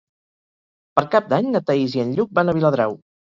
Per Cap d'Any na Thaís i en Lluc van a Viladrau.